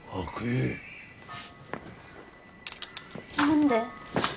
何で。